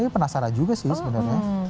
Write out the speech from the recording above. penasaran juga sih sebenarnya